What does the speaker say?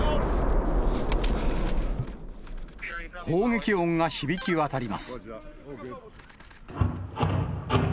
砲撃音が響き渡ります。